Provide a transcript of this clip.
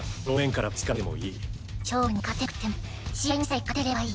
勝負に勝てなくても試合にさえ勝てればいい。